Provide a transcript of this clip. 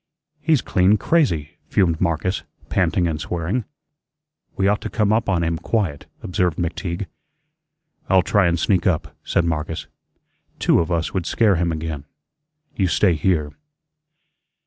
"He's clean crazy," fumed Marcus, panting and swearing. "We ought to come up on him quiet," observed McTeague. "I'll try and sneak up," said Marcus; "two of us would scare him again. You stay here."